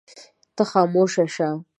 ته خاموش شه.